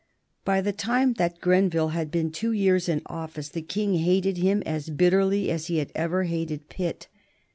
By the time that Grenville had been two years in office the King hated him as bitterly as he had ever hated Pitt.